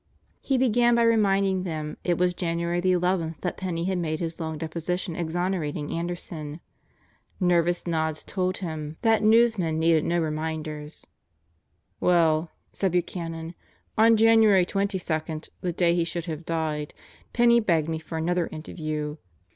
He began by reminding them It was January the eleventh that Penney had made his long deposition exonerating Anderson. Nervous nods told him that 203 204 Epilogue newsmen needed no reminders. "Well," said Buchanan, "on January twenty second, the day he should have died, Penney begged me for another interview.